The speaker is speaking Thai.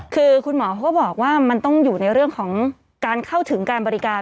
คือคุณหมอเขาก็บอกว่ามันต้องอยู่ในเรื่องของการเข้าถึงการบริการ